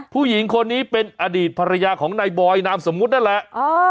ผู้หญิงคนนี้เป็นอดีตภรรยาของนายบอยนามสมมุตินั่นแหละ